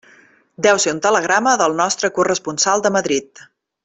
Deu ser un telegrama del nostre corresponsal de Madrid.